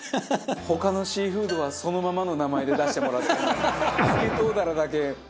他のシーフードはそのままの名前で出してもらってるのに。